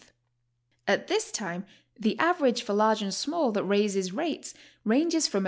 At this time the average for large and small that raise rates ranges from $1.